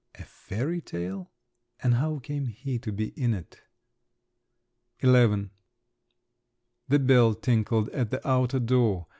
a fairy tale? And how came he to be in it? XI The bell tinkled at the outer door.